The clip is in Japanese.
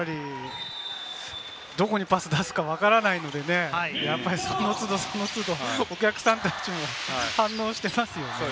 どこにパスを出すかわからないのでね、その都度、その都度、お客さんたちも反応していますね。